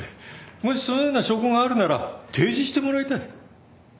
もしそのような証拠があるなら提示してもらいたい。